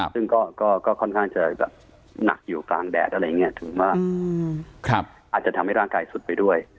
ซึ่งก็ค่อนข้างจะหนักอยู่กลางแดดอะไรอย่างนี้ถึงว่าอาจจะทำให้ร่างกายสุดไปด้วย